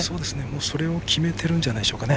それを決めてるんじゃないでしょうかね。